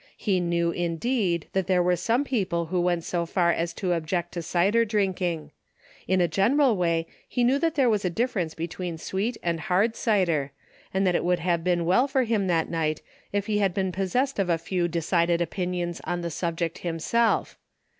He knew, indeed, that there were some people who went so far as to object to cider drinking. In a general way, he knew that there was a difference between sweet and hard cider, and it would have been well for him that night, if he had been possessed of a few decided opinions on the subject himself.